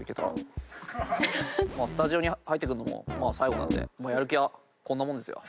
スタジオに入ってくるのも最後なんでやる気はこんなもんですよ。